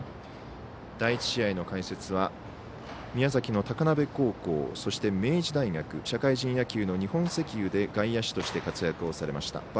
第１試合の解説は宮崎の高鍋高校そして明治大学社会人野球の日本石油で外野手として活躍されました。